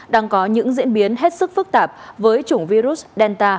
đang có những diễn biến hết sức phức tạp với chủng virus delta